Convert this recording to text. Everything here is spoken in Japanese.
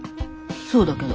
そうだけど。